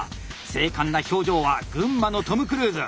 精悍な表情は群馬のトム・クルーズ。